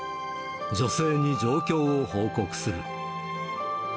女性に状況を報告する。